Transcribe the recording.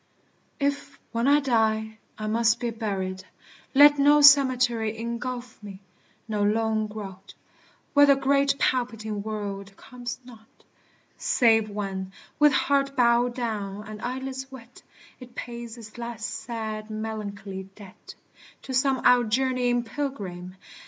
If, when I die, I must be buried, let No cemetery engulph me no lone grot, Where the great palpitating world comes not, Save when, with heart bowed down and eyelids wet, It pays its last sad melancholy debt To some outjourneying pilgrim.